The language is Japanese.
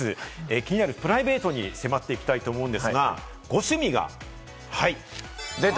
気になるプライベートに迫っていきたいと思うんですが、ご趣味が、出た！